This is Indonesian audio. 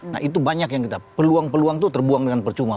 nah itu banyak yang kita peluang peluang itu terbuang dengan percuma